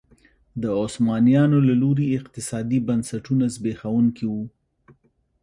د عثمانیانو له لوري اقتصادي بنسټونه زبېښونکي وو.